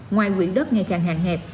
ngoài quỹ đất ngày càng hàng hẹp